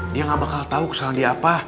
dia gak bakal tahu kesalahan dia apa